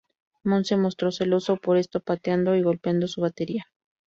Moon se mostró celoso por esto, pateando y golpeando su batería.